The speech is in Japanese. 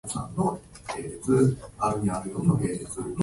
姉は天才である